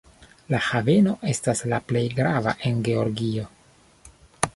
La haveno estas la plej grava en Georgio.